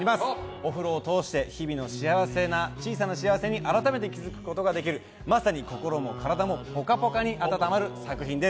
お風呂を通して日々の小さな幸せに改めて気づくことができるまさに体も心もポカポカに温まる作品です。